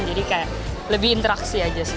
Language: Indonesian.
jadi kayak lebih interaksi aja sih